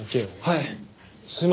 はい。